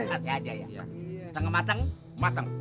setengah matang matang